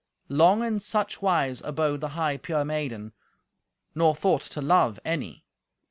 Long in such wise abode the high, pure maiden, nor thought to love any.